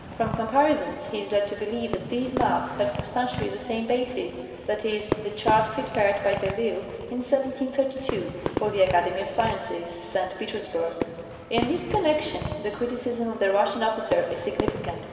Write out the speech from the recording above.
From comparisons he is led to believe that^these maps have substantially the same basis — that is, the chart prepared by de I'Isle in 1732 for the Academy of Sciences, St. Petersburg. In this connection the criticism of the Russian officer is signifi cant.